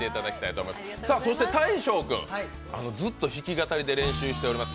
大昇君、ずっと弾き語りで練習しています